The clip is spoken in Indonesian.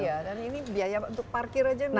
iya dan ini biaya untuk parkir aja